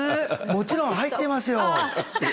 もちろん入ってますよ！